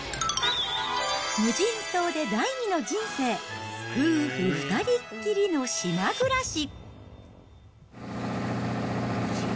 無人島で第二の人生、夫婦２人っきりの島暮らし。